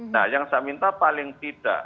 nah yang saya minta paling tidak